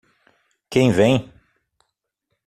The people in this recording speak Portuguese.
Quem vem?